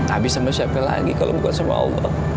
habis sama siapa lagi kalau bukan sama allah